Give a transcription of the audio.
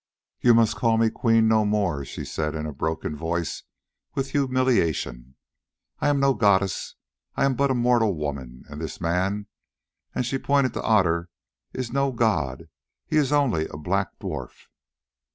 "You must call me Queen no more," she said in a voice broken with humiliation. "I am no goddess, I am but a mortal woman, and this man," and she pointed to Otter, "is no god, he is only a black dwarf."